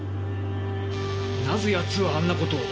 なぜやつはあんなことを？